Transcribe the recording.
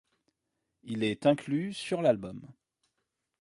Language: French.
Il est inclus sur l'album.